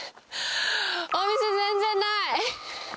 お店、全然ない。